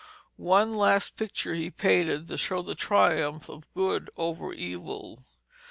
One last picture he painted to show the triumph of good over evil.